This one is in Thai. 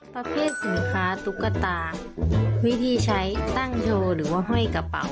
ประเภทสินค้าตุ๊กตาวิธีใช้ตั้งโชว์หรือว่าห้อยกระเป๋า